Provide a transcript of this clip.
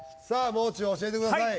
もう中教えてください